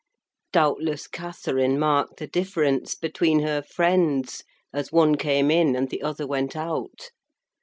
Doubtless Catherine marked the difference between her friends, as one came in and the other went out.